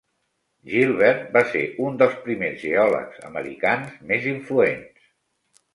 Gilbert va ser un dels primers geòlegs americans més influents.